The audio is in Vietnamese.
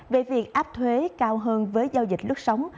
về việc áp thuế cao hơn với giao dịch lướt sóng